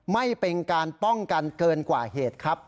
ไม่เป็นการป้องกันเกินกว่าเหตุครับ